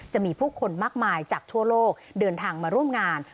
จะมีผู้คนมากมายจากทั่วโลกเดินทางมาร่วมงาน